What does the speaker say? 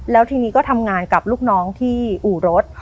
แล้วทีนี้ก็ทำงานกับลูกน้องที่อู่รถ